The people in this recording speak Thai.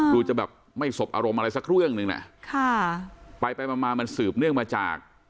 ดูจะแบบไม่สบอารมณ์อะไรสักเรื่องหนึ่งน่ะค่ะไปไปมามามันสืบเนื่องมาจาก